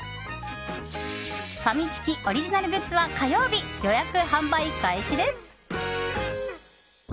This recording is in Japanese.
ファミチキオリジナルグッズは火曜日、予約・販売開始です。